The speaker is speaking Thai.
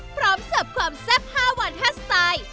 พร้อมเสิร์ฟความซับ๕วัน๕สไตล์